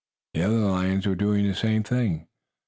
The other lions were doing the same thing.